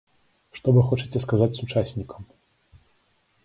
Што вы хочаце сказаць сучаснікам?